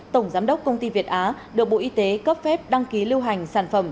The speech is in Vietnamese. tổng giám đốc công ty việt á được bộ y tế cấp phép đăng ký lưu hành sản phẩm